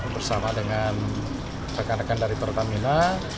bersama dengan rekan rekan dari pertamina